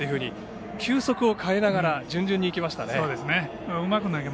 球速を変えながらじゅんじゅんにいきましたね。